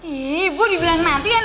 ibu dibilang nanti ya nanti